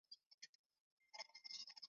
英国冀望藉此跟北京新政权展开贸易。